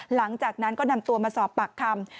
หลังจากนั้นก็นำตัวมาสอบปากคำ